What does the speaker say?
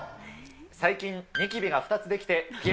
最近、ニキビが２つ出来て、ぴえ